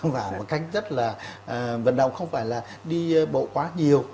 vào một cách rất là vận động không phải là đi bộ quá nhiều